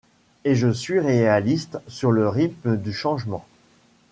Et je suis réaliste sur le rythme du changement.